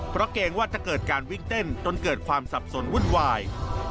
เพราะเกรงว่าจะเกิดการวิ่งเต้นจนเกิดความสับสนวุ่นวาย